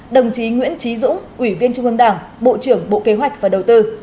đồng chí nguyễn trí dũng ủy viên trung ương đảng bộ trưởng bộ kế hoạch và đầu tư